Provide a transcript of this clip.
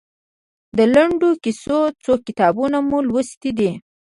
د لنډو کیسو څو کتابونه مو لوستي دي؟